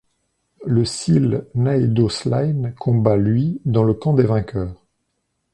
Le Síl nÁedo Sláine combat lui dans le camp des vainqueurs.